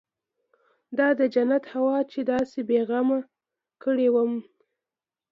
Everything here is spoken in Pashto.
دا د جنت هوا چې داسې بې غمه کړى وم.